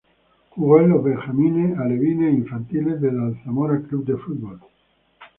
Jugó en los benjamines, alevines, e infantiles del Alzamora Club de Fútbol.